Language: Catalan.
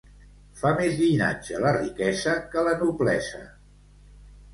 Fa més llinatge la riquesa que la noblesa.